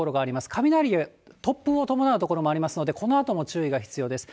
雷や突風を伴う所もありますので、このあとも注意が必要です。